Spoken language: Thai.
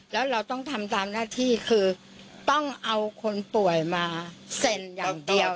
แล้วเราต้องทำตามหน้าที่คือต้องเอาคนป่วยมาเซ็นอย่างเดียว